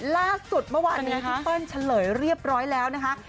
ล่าสุดเมื่อวานนี้พี่เปิ้ลเฉลยเรียบร้อยแล้วนะคะ